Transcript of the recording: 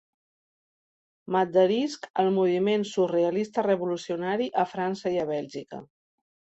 M'adherisc al moviment surrealista-revolucionari a França i a Bèlgica.